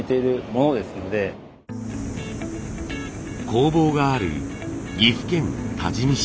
工房がある岐阜県多治見市。